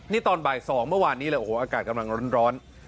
นี่ตอนบ่าย๒เมื่อวานนี้เลยโอ้โหอากาศกำลังร้อน